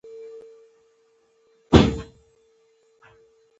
د اوبو مدیریت نه کول تاوان دی.